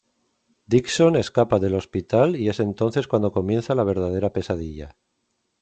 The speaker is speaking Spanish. Dixon escapa del hospital y es entonces cuando comienza la verdadera pesadilla.